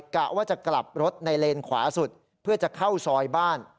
กะว่าจะกลับรถในเลนขวาสุดเพื่อจะเข้าซอยบ้าน